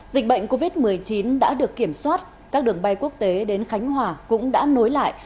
dịch bệnh covid một mươi chín đã được kiểm soát các đường bay quốc tế đến khánh hòa cũng đã nối lại